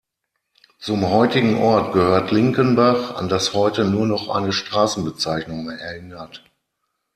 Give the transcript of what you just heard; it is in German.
Zum heutigen Ort gehört Linkenbach, an das heute nur noch eine Straßenbezeichnung erinnert.